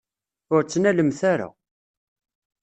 Ur ttnalemt ara.